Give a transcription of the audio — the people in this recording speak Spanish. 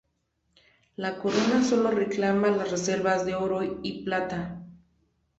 La corona solo reclama las reservas de oro y plata.